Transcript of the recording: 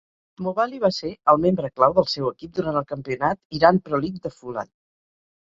Mobali va ser el membre clau del seu equip durant el campionat Iran Pro League de Foolad.